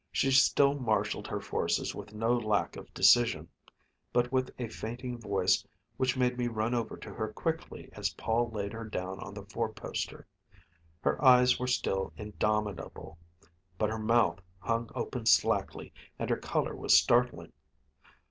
She still marshaled her forces with no lack of decision, but with a fainting voice which made me run over to her quickly as Paul laid her down on the four poster. Her eyes were still indomitable, but her mouth hung open slackly and her color was startling.